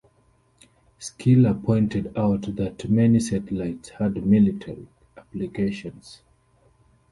Schiller pointed out that many satellites had military applications.